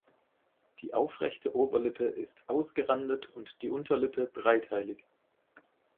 Die aufrechte Oberlippe ist ausgerandet und die Unterlippe dreiteilig.